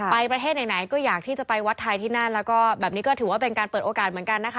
ใบประเทศไหนก็อยากที่จะไปวัดไทยที่นั่น